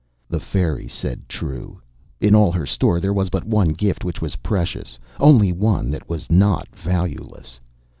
The fairy said true; in all her store there was but one gift which was precious, only one that was not valueless.